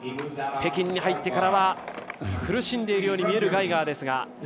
北京に入ってからは苦しんでいるように見えるガイガーですが。